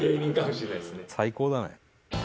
「最高だね」